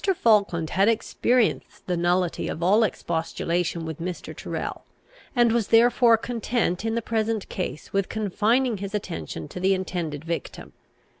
Falkland had experienced the nullity of all expostulation with Mr. Tyrrel, and was therefore content in the present case with confining his attention to the intended victim.